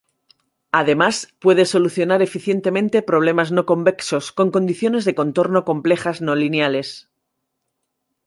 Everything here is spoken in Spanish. Además, puede solucionar eficientemente problemas no convexos con condiciones de contorno complejas no lineales.